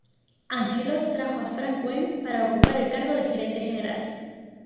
Angelos trajo a Frank Wren para ocupar el cargo de gerente general.